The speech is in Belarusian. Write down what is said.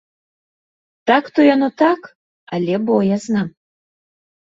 Так то яно так, але боязна.